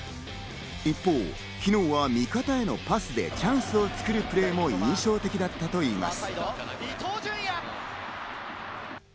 一方、昨日は味方へのパスでチャンスを作るプレーも印象的だったといいます。